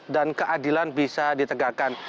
dan keadilan bisa ditegakkan